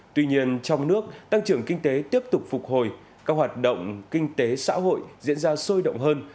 tuy nhiên trong nước tăng trưởng kinh tế tiếp tục phục hồi các hoạt động kinh tế xã hội diễn ra sôi động hơn